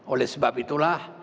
oleh sebab itulah